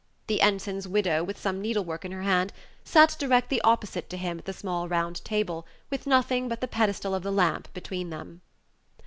The ensign's widow, with some needle work in her hand, sat directly opposite to him at the small round table, with nothing but the pedestal of the lamp between them.